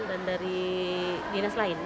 dan dari dinas lain